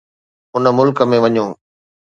ان ملڪ ۾ وڃو.